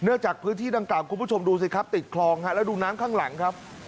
จากพื้นที่ดังกล่าวคุณผู้ชมดูสิครับติดคลองแล้วดูน้ำข้างหลังครับ